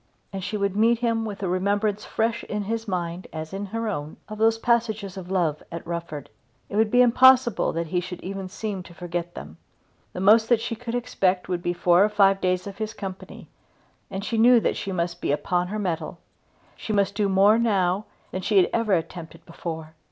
And she would meet him with the remembrance fresh in his mind as in her own of those passages of love at Rufford. It would be impossible that he should even seem to forget them. The most that she could expect would be four or five days of his company, and she knew that she must be upon her mettle. She must do more now than she had ever attempted before.